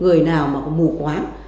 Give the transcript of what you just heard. người nào mà có mù quáng